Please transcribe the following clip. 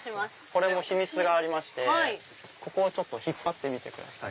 これも秘密がありましてここを引っ張ってみてください。